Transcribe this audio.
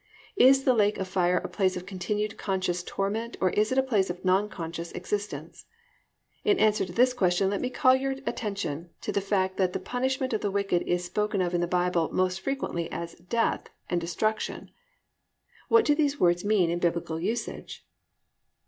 Is the lake of fire a place of continued conscious torment, or is it a place of non conscious existence? In answer to this question let me call your attention to the fact that the punishment of the wicked is spoken of in the Bible most frequently as "Death" and "Destruction." What do these words mean in biblical usage?